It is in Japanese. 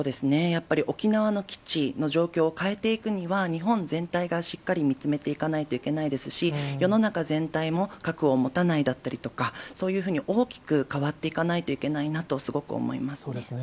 やっぱり沖縄の基地の状況を変えていくには、日本全体がしっかり見つめていかないといけないですし、世の中全体も、核を持たないだったりとか、そういうふうに大きく変わっていかないといけないなと、すごく思いますね。